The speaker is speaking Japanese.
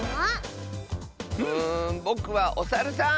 うんぼくはおサルさん！